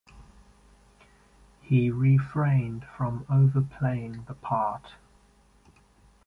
He refrained from overplaying the part.